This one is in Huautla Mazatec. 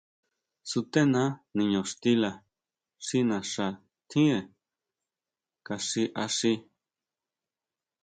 Sutena niño xtila xi naxa tjínre ka xi axí.